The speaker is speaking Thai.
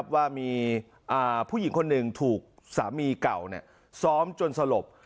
ว่ามีผู้หญิงคนหนึ่งถูกสามีเก่าซ้อมจนสลบ